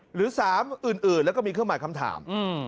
หรือ๓อื่นแล้วก็มีเครื่องหมายคำถาม